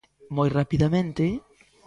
Moi rapidamente.